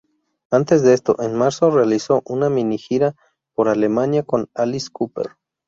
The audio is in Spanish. Antes de esto, en marzo, realizó una minigira por Alemania con Alice Cooper.